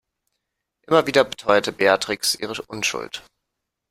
Immer wieder beteuert Beatrix ihre Unschuld.